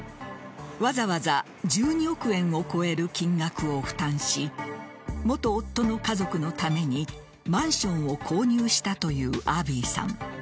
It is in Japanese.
わざわざ１２億円を超える金額を負担し元夫の家族のためにマンションを購入したというアビーさん。